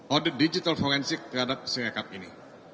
audit digital forensik terhadap sirekap ini